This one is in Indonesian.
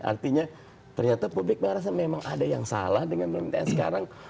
artinya ternyata publik merasa memang ada yang salah dengan pemerintahan sekarang